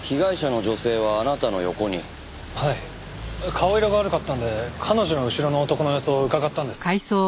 顔色が悪かったんで彼女の後ろの男の様子をうかがったんです。